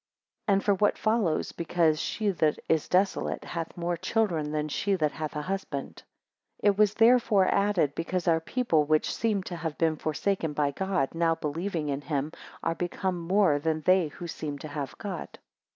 4 And for what follows, because she that is desolate hath more children than she that hath a husband; it was therefore added, because our people which seemed to have been forsaken by God, now believing in him, are become more than they who seemed to have God.